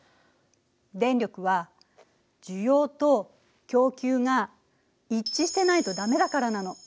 電力は需要と供給が一致してないと駄目だからなの。